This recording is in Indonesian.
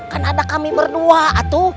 kan ada kami berdua atu